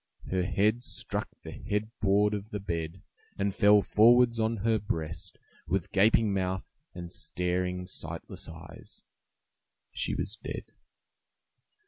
Her head struck the head board of the bed and fell forwards on her breast, with gaping mouth and staring, sightless eyes. She was dead.